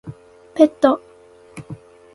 ペット